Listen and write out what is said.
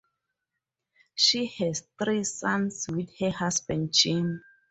She has three sons with her husband Jim.